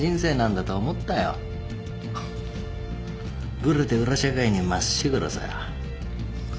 グレて裏社会にまっしぐらさ。